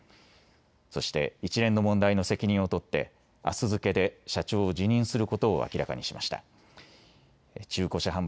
そして、一連の問題の責任を取って明日付けで社長を辞任することを明らかにしました。